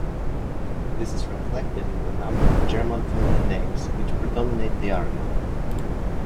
This is reflected in the number of German family names which predominate the area.